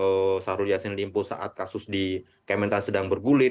jadi virly dan sarulya sinlimpo saat kasus di kementerian sedang bergulir